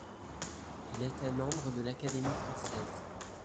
Il était membre de l'Académie française.